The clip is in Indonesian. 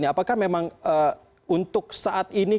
apakah memang untuk saat ini